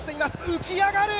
浮き上がる！